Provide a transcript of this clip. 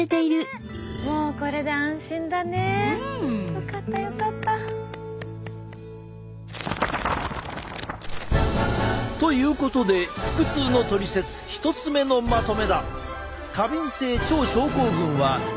よかったよかった。ということで腹痛のトリセツ１つ目のまとめだ！